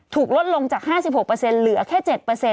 ลดลงจาก๕๖เหลือแค่๗